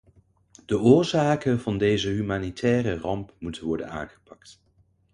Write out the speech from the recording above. De oorzaken van deze humanitaire ramp moeten worden aangepakt.